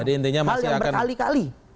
hal yang berkali kali